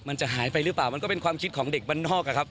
มันจะหายไปหรือเปล่ามันก็เป็นความคิดของเด็กบ้านนอกอะครับ